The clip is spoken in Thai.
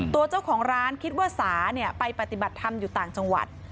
ตัวเจ้าของร้านคิดว่าสาไปปฏิบัติธรรมอยู่ต่างจังหวัด